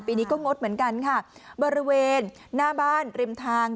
ปีนี้ก็งดเหมือนกันค่ะบริเวณหน้าบ้านริมทาง